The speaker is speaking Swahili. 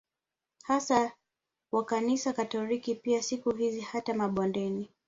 Hasa wa kanisa katoliki pia Siku hizi hata mabondeni